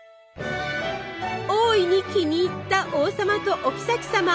大いに気に入った王様とおきさき様。